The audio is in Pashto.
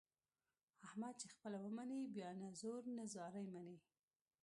احمد چې خپله ومني بیا نه زور نه زارۍ مني.